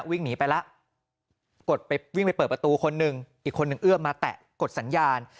วิ่งหนีไปแล้วกดไปวิ่งไปเปิดประตูคนหนึ่งอีกคนนึงเอื้อมมาแตะกดสัญญาณ